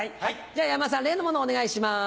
じゃあ山田さん例のものをお願いします。